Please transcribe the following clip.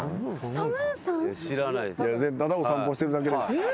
ただお散歩してるだけです。